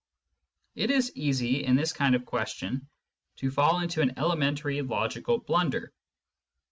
It is easy, in this kind of question, to fall into an elementary logical blunder.